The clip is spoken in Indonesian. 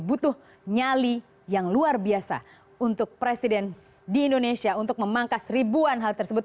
butuh nyali yang luar biasa untuk presiden di indonesia untuk memangkas ribuan hal tersebut